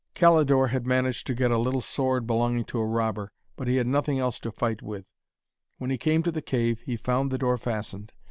Calidore had managed to get a little sword belonging to a robber, but he had nothing else to fight with. When he came to the cave, he found the door fastened.